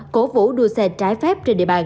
cố vũ đua xe trái phép trên địa bàn